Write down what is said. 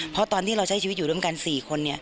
เพราะตอนที่เราใช้ชีวิตอยู่ร่วมกัน๔คน